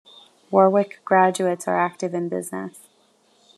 Warwick graduates are active in business.